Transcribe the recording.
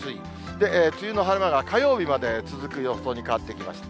で、梅雨の晴れ間が火曜日まで続く予想に変わってきました。